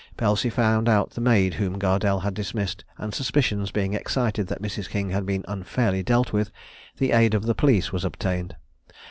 Pelsey found out the maid whom Gardelle had dismissed, and suspicions being excited that Mrs. King had been unfairly dealt with, the aid of the police was obtained.